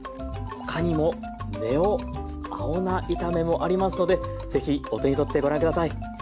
他にも「ＮＥＯ！青菜炒め」もありますのでぜひお手に取ってご覧下さい。